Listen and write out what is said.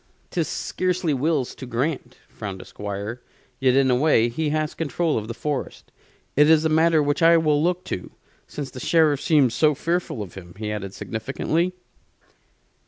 "'Tis scarcely Will's to grant," frowned the Squire; "yet, in a way, he has control of the forest. It is a matter which I will look to, since the Sheriff seems so fearful of him," he added, significantly.